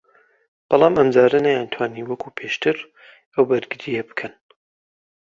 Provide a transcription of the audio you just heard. بەڵام ئەمجارە نەیانتوانی وەکو پێشتر ئەو بەرگرییە بکەن